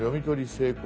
成功